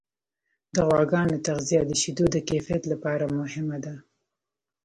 د غواګانو تغذیه د شیدو د کیفیت لپاره مهمه ده.